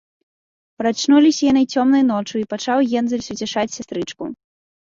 Прачнуліся яны цёмнай ноччу, і пачаў Гензель суцяшаць сястрычку: